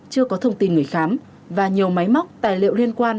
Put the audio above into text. chưa có thông tin người khám và nhiều máy móc tài liệu liên quan